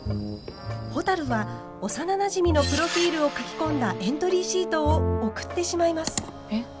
ほたるは幼なじみのプロフィールを書き込んだエントリーシートを送ってしまいます。